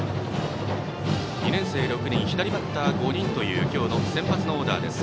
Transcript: ２年生６人左バッター５人という今日の先発のオーダーです。